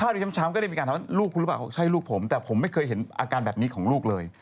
ที่ช้ำก็ได้มีการถามว่าลูกคุณหรือเปล่าใช่ลูกผมแต่ผมไม่เคยเห็นอาการแบบนี้ของลูกเลย